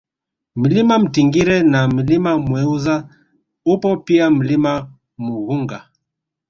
Mlima Mtingire na Mlima Mueza upo pia Mlima Mughunga